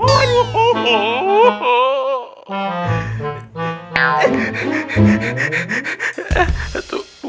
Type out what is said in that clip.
pak participated sama saya juga ya